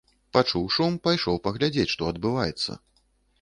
Пачуў шум, пайшоў паглядзець, што адбываецца.